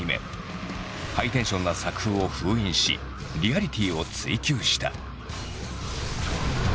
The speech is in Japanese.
ハイテンションな作風を封印しリアリティーを追求した。